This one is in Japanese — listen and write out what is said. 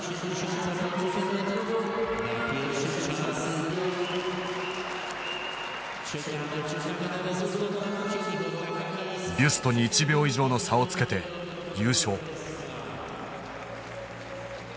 ビュストに１秒以上の差をつけて優勝。